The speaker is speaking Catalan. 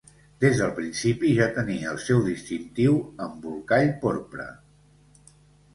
Des del principi ja tenia el seu distintiu embolcall porpra.